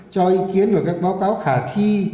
cho ý kiến vào các báo cáo khả thi